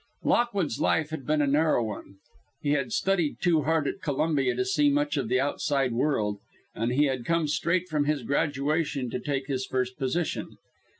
Lockwood's life had been a narrow one. He had studied too hard at Columbia to see much of the outside world, and he had come straight from his graduation to take his first position.